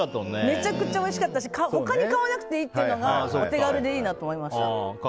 めちゃくちゃおいしかったし他に買わなくていいっていうのがお手軽でいいなと思いました。